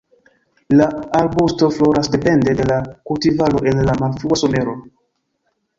La arbusto floras depende de la kultivaro en la malfrua somero.